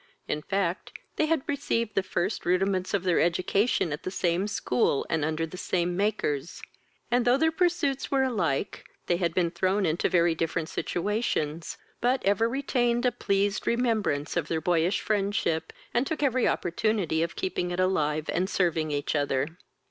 In fact, they had received the first rudiments of their education at the same school, and under the same makers; and, though their pursuits were alike, they had been thrown into a very different situations, but ever retained a pleased remembrance of their boyish friendship, and took every opportunity of keeping it alive, and serving each other.